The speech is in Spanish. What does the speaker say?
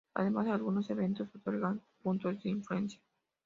Además, algunos eventos otorgan puntos de influencia.